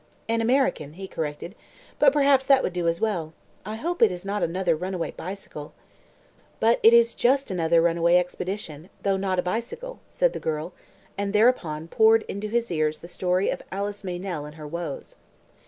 "An American," he corrected. "But perhaps that would do as well. I hope it is not another runaway bicycle?" "But it just is another runaway expedition though not a bicycle," said the girl, and thereupon poured into his ears the story of Alice Meynell and her woes.